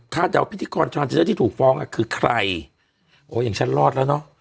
ถ้าเป็นว่าพิธีกรที่ถูกฟ้องอ่ะคือใครโอ้ยอย่างฉันลอดแล้วเนอะ